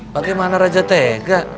bagaimana raja tega